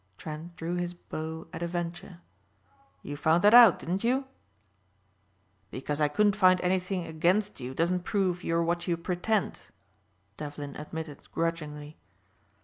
Trent drew his bow at a venture. "You found that out, didn't you?" "Because I couldn't find anything against you doesn't prove you're what you pretend," Devlin admitted grudgingly.